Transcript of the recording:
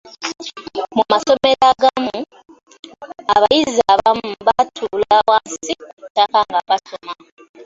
Mu masomero agamu, abayizi abamu batuula wansi ku ttaka nga basoma.